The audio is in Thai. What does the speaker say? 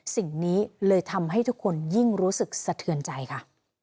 สิ่งนี้เลยทำให้ทุกคนยิ่งรู้สึกสะเทือนใจค่ะ